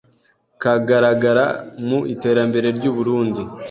kagaragara mu iterambere ry’u Burunndi